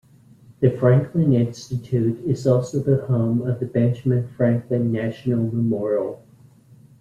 The Franklin Institute is also the home of the Benjamin Franklin National Memorial.